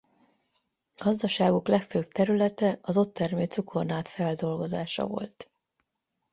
Gazdaságuk legfőbb területe az ott termő cukornád feldolgozása volt.